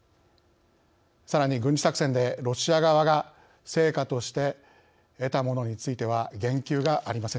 さらに軍事作戦でロシア側が「成果」として得たものについては言及がありませんでした。